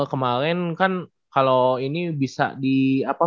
kemarin kan kalau ini bisa di apa